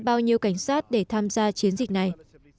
bao nhiêu cảnh sát để tham gia chiến dịch này